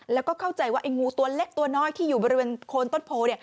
แล้วก็เข้าใจว่าไอ้งูตัวเล็กตัวน้อยที่อยู่บริเวณโคนต้นโพ